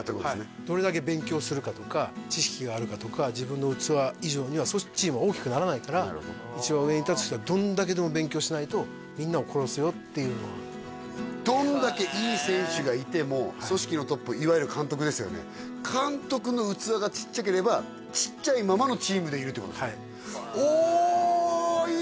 はいどれだけ勉強するかとか知識があるかとか自分の器以上にはチームは大きくならないから一番上に立つ人はどんだけでも勉強しないとみんなを殺すよっていうのはどんだけいい選手がいても組織のトップいわゆる監督ですよね監督の器がちっちゃければちっちゃいままのチームでいるってことですよね